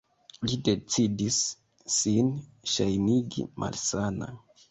Li decidis sin ŝajnigi malsana.